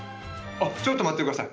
ちょっと待って下さい。